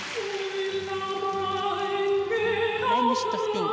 フライングシットスピン。